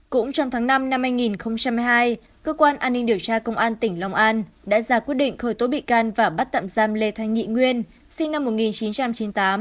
cũng trong tháng năm năm hai nghìn một mươi hai cơ quan an ninh điều tra công an tỉnh long an đã ra quyết định khởi tố bị can và bắt tạm giam lê thanh nghị nguyên